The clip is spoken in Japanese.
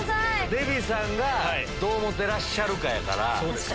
デヴィさんがどう思ってらっしゃるかやから。